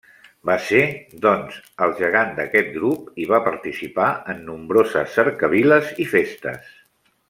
Va ser, doncs, el gegant d'aquest grup i va participar en nombroses cercaviles i festes.